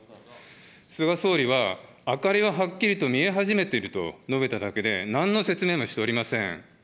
菅総理は、明かりははっきりと見え始めていると述べただけで、何の説明もしておりません。